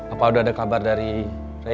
apa udah ada kabar dari saya